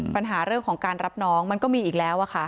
ปัญหาเรื่องของการรับน้องมันก็มีอีกแล้วค่ะ